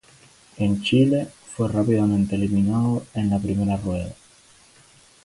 En Chile fue rápidamente eliminado en la primera rueda.